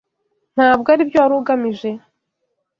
Ntabwo aribyo wari ugamije?